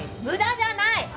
無駄じゃない！